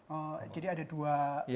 oh jadi ada dua